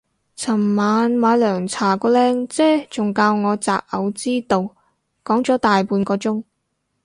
尋晚買涼茶個靚姐仲教我擇偶之道講咗大半個鐘